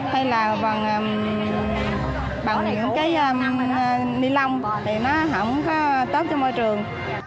hay là bằng những cái ni lông thì nó không có tốt cho môi trường